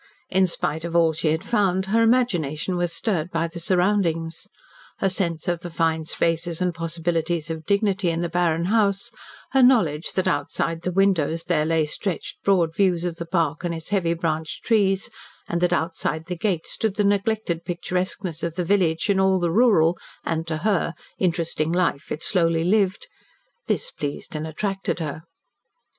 In spite of all she had found, her imagination was stirred by the surroundings. Her sense of the fine spaces and possibilities of dignity in the barren house, her knowledge that outside the windows there lay stretched broad views of the park and its heavy branched trees, and that outside the gates stood the neglected picturesqueness of the village and all the rural and to her interesting life it slowly lived this pleased and attracted her.